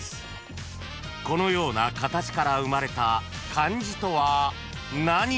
［このような形から生まれた漢字とは何？］